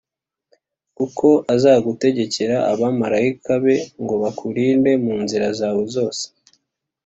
kuko azagutegekera abamarayika be, ngo bakurindire mu nzira zawe zose.